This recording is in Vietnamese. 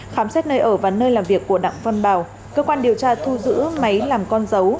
khám xét nơi ở và nơi làm việc của đặng văn bảo cơ quan điều tra thu giữ máy làm con dấu